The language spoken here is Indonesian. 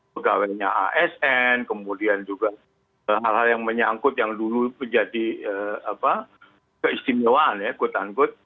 pegawainya asn kemudian juga hal hal yang menyangkut yang dulu menjadi keistimewaan